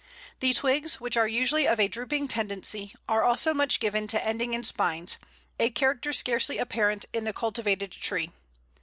The twigs, which are usually of a drooping tendency, are also much given to ending in spines a character scarcely apparent in the cultivated tree.